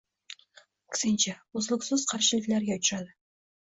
Aksincha, uzluksiz qarshiliklarga uchradi